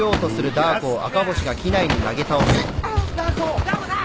ダー子さん！